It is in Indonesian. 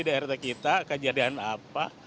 daerah kita kejadian apa